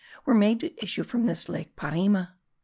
were made to issue from this lake Parima.